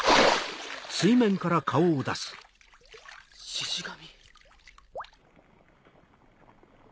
シシ神。